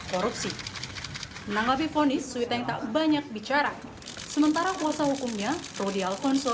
korupsi menanggapi ponis suiteng tak banyak bicara sementara kuasa hukumnya rodi alfonso